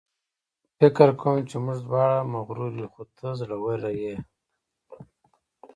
فکر کوم چې موږ دواړه مغرور یو، خو ته زړوره یې.